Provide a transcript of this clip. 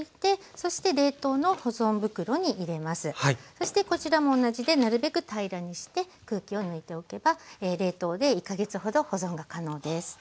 そしてこちらも同じでなるべく平らにして空気を抜いておけば冷凍で１か月ほど保存が可能です。